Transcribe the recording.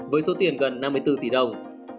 với số tiền gần năm mươi bốn đồng